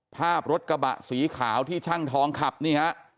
ภาพรถกระบะสีขาวที่ช่างทองขับนี่ฮะ